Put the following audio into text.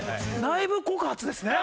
内部告発ですね？